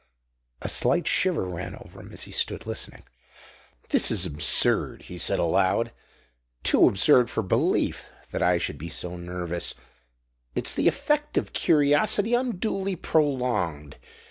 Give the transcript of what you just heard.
A slight shiver ran over him as he stood listening. "This is absurd," he said aloud; "too absurd for belief that I should be so nervous! It's the effect of curiosity unduly prolonged."